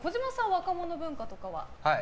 若者文化とかは。